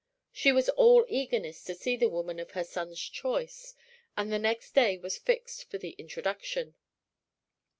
She was all eagerness to see the woman of her son's choice, and the next day was fixed for the introduction.